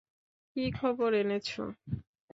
কী খবর এনেছো?